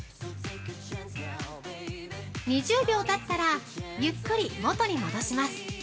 ２０秒たったらゆっくり元に戻します。